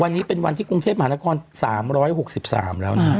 วันนี้เป็นวันที่กรุงเทพมหานคร๓๖๓แล้วนะฮะ